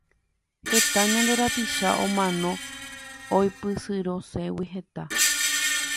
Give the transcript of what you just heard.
Heta ñande rapicha omano oipysyrõségui hetã.